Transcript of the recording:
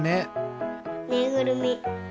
ぬいぐるみ。